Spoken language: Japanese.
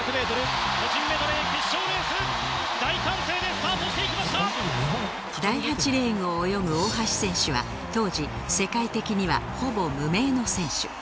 第８レーンを泳ぐ大橋選手は当時、世界的にはほぼ無名の選手。